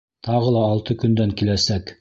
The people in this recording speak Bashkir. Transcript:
Тағы ла алты көндән киләсәк.